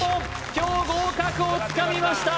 今日合格をつかみました